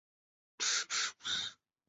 拉扎克德索西尼亚克。